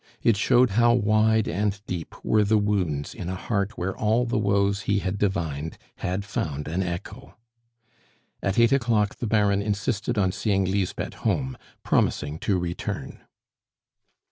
It showed how wide and deep were the wounds in a heart where all the woes he had divined had found an echo. At eight o'clock the Baron insisted on seeing Lisbeth home, promising to return.